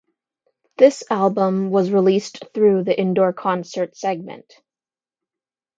This album was released through the Indoor Concert segment.